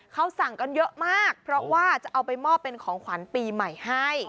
เขาสั่งกันเยอะมากเพราะว่าจะเอาไปมอบเป็นของขวัญปีใหม่ให้